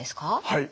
はい。